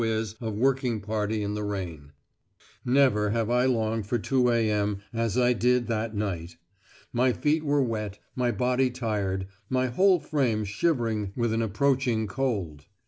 is a working party in the rain. Never have I longed for 2.0 a.m. as I did that night! My feet were wet, my body tired, my whole frame shivering with an approaching cold.